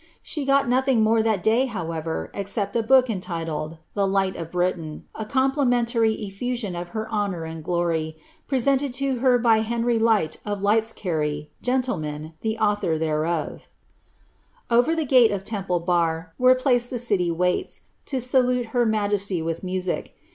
She pot nothing more that dai ever, except a book intituled "The Light of Britain." a complir effusion to her honour and glory, prcsejiied to her by Henry 1 Litescarie, genlleman, the author thereof Over tiie gate of Temple Bar, «ere placed the cltj waits, to sal majesty with music.